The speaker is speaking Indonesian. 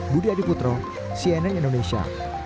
budi adiputro cnn indonesia